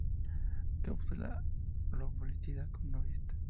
Cápsula loculicida no vista.